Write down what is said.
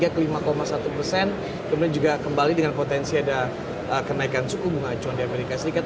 kemudian juga kembali dengan potensi ada kenaikan suku bunga acuan di amerika serikat